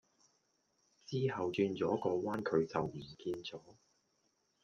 之後轉左個彎佢就唔見左